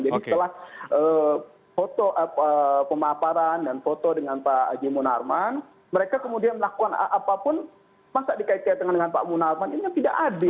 jadi setelah foto pemahaman dan foto dengan pak munarman mereka kemudian melakukan apapun masa dikait kaitkan dengan pak munarman ini tidak adil